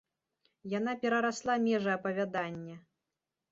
Яна перарасла межы апавядання.